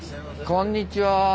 こんにちは。